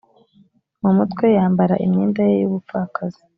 mu mutwe yambara imyenda ye y ubupfakazi